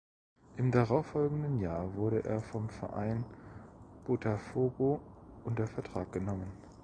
Im darauffolgenden Jahr wurde er vom Verein Botafogo unter Vertrag genommen.